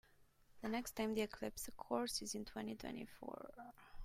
The next time the eclipse occurs is in twenty-twenty-four.